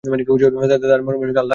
তারা মনে মনে আল্লাহকে স্মরণ করছিল।